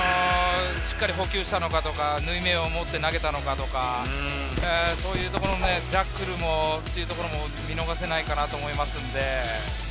しっかり捕球したのかとか、縫い目を持って投げたのかとか、ジャッグルもというところも見逃せないかなと思いますんで。